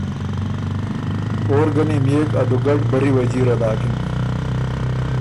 او ر ګۀ نِميېک، ا دُوګډ برّی وه جیره داکِن،